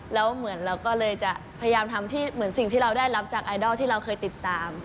แล้วเหมือนเราก็เลยจะพยายามทำที่เหมือนสิ่งที่เราได้รับจากไอดอลที่เราเคยติดตาม